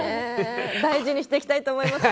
大事にしていきたいと思います。